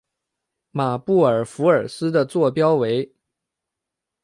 马布尔福尔斯的座标为。